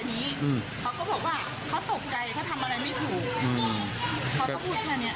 แล้วก็ไปตามหากัน